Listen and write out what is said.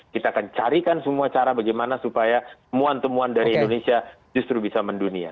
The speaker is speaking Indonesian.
kita akan carikan semua cara bagaimana supaya temuan temuan dari indonesia justru bisa mendunia